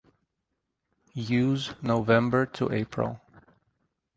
Use November to April.